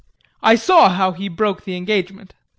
I saw how he broke the engagement.